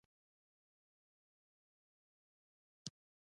یو کاربار ته مخه کوو